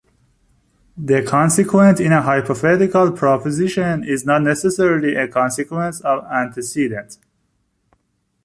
The consequent in a hypothetical proposition is not necessarily a consequence of the antecedent.